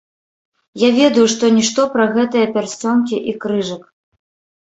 Я ведаю што-нішто пра гэтыя пярсцёнкі і крыжык.